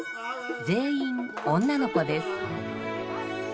全員女の子です。